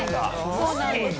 そうなんですよ。